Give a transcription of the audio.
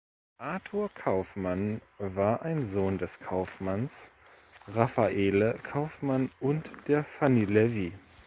Arthur Kauffmann war ein Sohn des Kaufmanns Raffaele Kauffmann und der Fanny Levy.